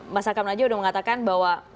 mas akam raja sudah mengatakan bahwa